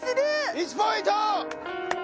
１ポイント！